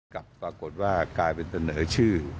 กลับปรากฏว่ากลายเป็นเสนอชื่อ